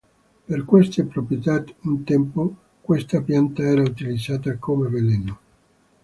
Per queste proprietà, un tempo questa pianta era utilizzata come veleno.